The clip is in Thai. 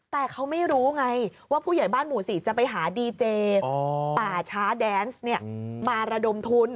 แต่เขาไม่รู้ไงว่าผู้ใหญ่บ้านหมู่๔จะไปหาดีเจป่าช้าแดนซ์มาระดมทุน